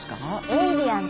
エイリアン！